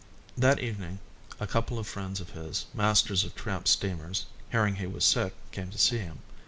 That evening a couple of friends of his, masters of tramp steamers, hearing he was sick came to see him.